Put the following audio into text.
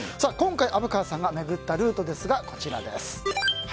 今回虻川さんが巡ったルートですがこちらです。